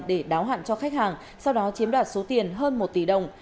để đáo hạn cho khách hàng sau đó chiếm đoạt số tiền hơn một tỷ đồng